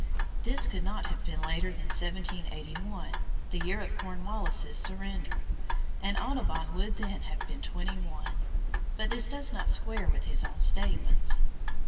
This could not have been later than 1781, the year of Cornwallis' surrender, and Audubon would then have been twenty one, but this does not square with his own statements.